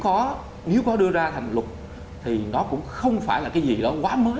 thứ ba nữa là nếu có đưa ra thành luật thì nó cũng không phải là cái gì đó quá mới